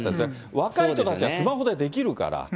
若い人たちはスマホでできるから。